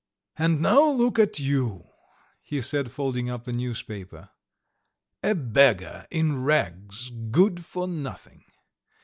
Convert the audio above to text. "And now look at you," he said, folding up the newspaper, "a beggar, in rags, good for nothing!